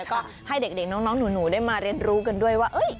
ก็ให้เด็กน้องหนูได้มาเรียนรู้กันด้วยว่า